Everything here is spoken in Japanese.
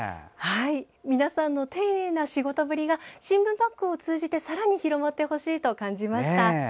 皆さんの丁寧な仕事ぶりが新聞バッグを通じてさらに広まってほしいと感じました。